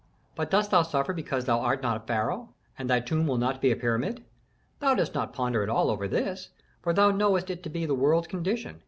But dost thou suffer because thou art not pharaoh, and thy tomb will not be a pyramid? Thou dost not ponder at all over this, for thou knowest it to be the world's condition.